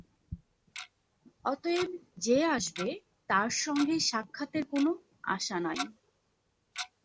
অতএব যে আসবে, তার সঙ্গে সাক্ষাতের কোন আশা নাই।